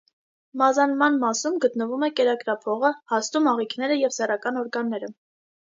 Մազանման մասում գտնվում է կերակրափողը, հաստում՝ աղիքները և սեռական օրգանները։